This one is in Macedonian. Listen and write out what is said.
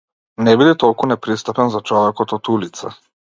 Не биди толку непристапен за човекот од улица.